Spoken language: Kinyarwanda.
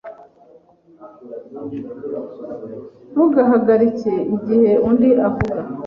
Ntugahagarike igihe undi avuga.